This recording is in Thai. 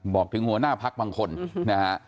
ถึงหัวหน้าพักบางคนนะฮะ